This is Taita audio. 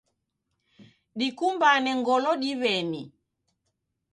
Dikumbane ngolo diweni